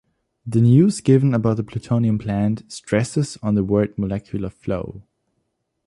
The news given about the plutonium plant stresses on the word molecular flow.